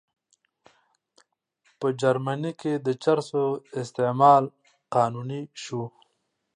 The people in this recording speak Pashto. په جرمني کې د چرسو استعمال قانوني شو.